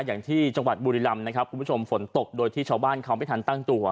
อย่างที่จังหวัดบุรีรำนะครับคุณผู้ชมฝนตกโดยที่ชาวบ้านเขาไม่ทันตั้งตัว